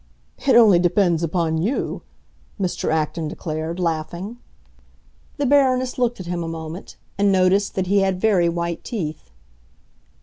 "It only depends upon you," Mr. Acton declared, laughing. The Baroness looked at him a moment, and noticed that he had very white teeth.